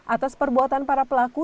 atas perbuatan para pelaku